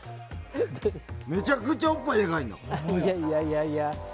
めちゃくちゃおっぱいでかいの。